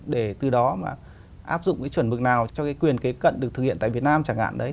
để từ đó mà áp dụng cái chuẩn mực nào cho cái quyền kế cận được thực hiện tại việt nam chẳng hạn đấy